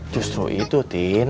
justru itu tin